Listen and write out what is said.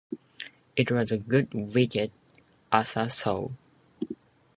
It was a good wicket, Asa saw.